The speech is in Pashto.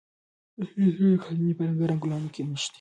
د هیلې سترګې د قالینې په رنګارنګ ګلانو کې نښتې وې.